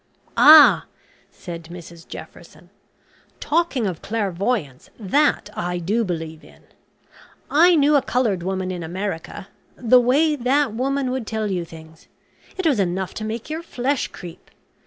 "Ah," said Mrs Jefferson. "Talking of clairvoyance, that I do believe in. I knew a coloured woman in America the way that woman would tell you things it was enough to make your flesh creep!